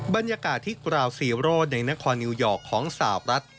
บรรยากาศที่กราวซีโร่ในนครนิวยอร์กของสาวรัฐ